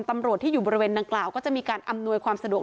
ตำรวจที่อยู่บริเวณดังกล่าวก็จะมีการอำนวยความสะดวก